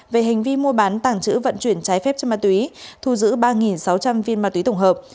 về hành vi mua bán tàng trữ vận chuyển trái phép chất ma túy thu giữ ba sáu trăm linh viên ma túy tổng hợp